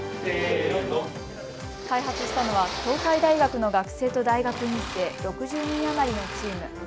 開発したのは東海大学の学生と大学院生６０人余りのチーム。